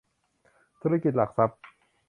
ธุรกิจหลักทรัพย์